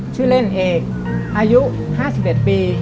ชื่อเล่นเอกอายุ๕๑ปี